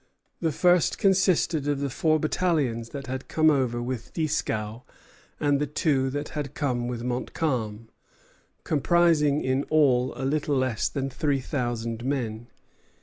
The first consisted of the four battalions that had come over with Dieskau and the two that had come with Montcalm, comprising in all a little less than three thousand men.